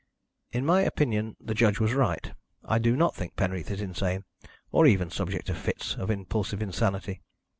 "In my opinion the judge was right. I do not think Penreath is insane, or even subject to fits of impulsive insanity.